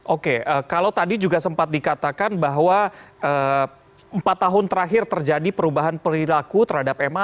oke kalau tadi juga sempat dikatakan bahwa empat tahun terakhir terjadi perubahan perilaku terhadap ma